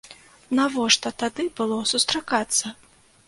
Навошта тады было сустракацца?